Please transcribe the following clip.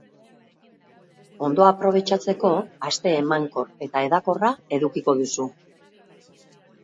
Ondo aprobetxatzeko aste emankor eta hedakorra edukiko duzu.